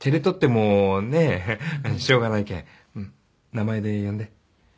名前で呼んで。